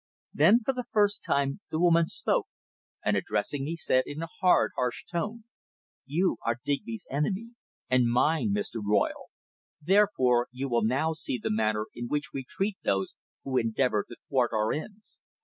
Then, for the first time, the woman spoke, and addressing me, said in a hard, harsh tone: "You are Digby's enemy, and mine, Mr. Royle. Therefore you will now see the manner in which we treat those who endeavour to thwart our ends.